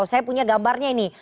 saya punya gambarnya ini